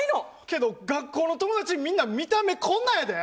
けど、学校の友達みんな見た目、こんなんやで！